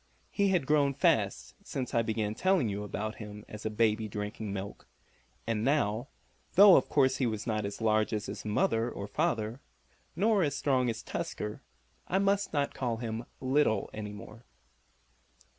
He had grown fast since I began telling you about him as a baby drinking milk, and now, though of course he was not as large as his mother or father, nor as strong as Tusker, I must not call him "little" any more.